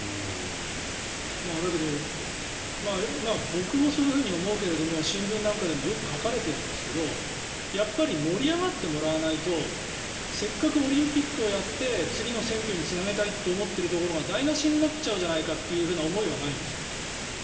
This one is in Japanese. だけど、僕もそういうふうに思うけれども新聞なんかでもよく書かれているんですけどやっぱり盛り上がってもらわないとせっかくオリンピックをやって次の選挙につなげたいと思っているのが台なしになっちゃうじゃないかという思いはないんですか？